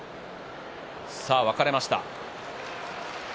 分かれました。